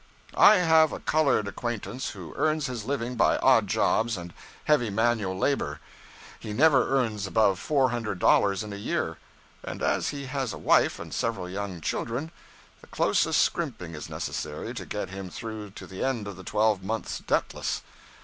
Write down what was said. I have a colored acquaintance who earns his living by odd jobs and heavy manual labor. He never earns above four hundred dollars in a year, and as he has a wife and several young children, the closest scrimping is necessary to get him through to the end of the twelve months debtless.